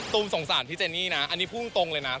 สงสารพี่เจนี่นะอันนี้พูดตรงเลยนะ